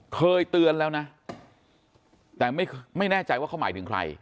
เคยเตือนแล้วนะแต่ไม่แน่ใจว่าเขาหมายถึงใคร